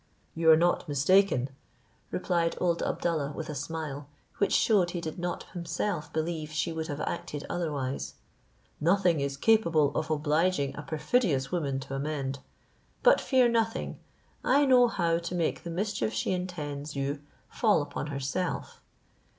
"You are not mistaken," replied old Abdallah with a smile, which showed he did not himself believe she would have acted otherwise; "nothing is capable of obliging a perfidious woman to amend. But fear nothing. I know how to make the mischief she intends you fall upon herself.